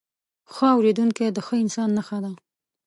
ښه اورېدونکی، د ښه انسان نښه ده.